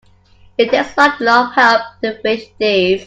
It takes a lot of help to finish these.